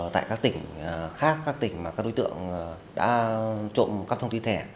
tại các tỉnh khác các tỉnh mà các đối tượng đã trộm các thông tin thẻ